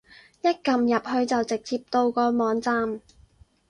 一撳入去就直接到個網站